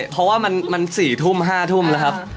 เพราะว่ามัน๔ทุ่ม๕ทุ่มแล้วครับ